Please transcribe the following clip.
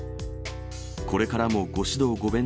これからもご指導ごべん